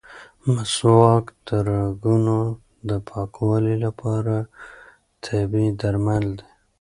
مسواک د رګونو د پاکوالي لپاره طبیعي درمل دي.